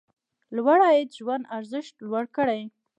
لوړ عاید ژوند ارزښت لوړ کړي.